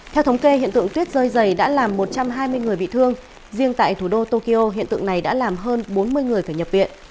theo thống kê hiện tượng tuyết rơi dày đã làm một trăm hai mươi người bị thương riêng tại thủ đô tokyo hiện tượng này đã làm hơn bốn mươi người phải nhập viện